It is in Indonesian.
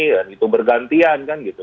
dan itu bergantian kan gitu